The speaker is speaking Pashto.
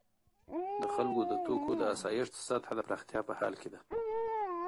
د خلکو د توکو د آسایښت سطح د پراختیا په حال کې ده.